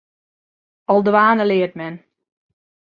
Al dwaande leart men.